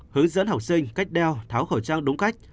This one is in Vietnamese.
hướng dẫn học sinh cách đeo tháo khẩu trang đúng cách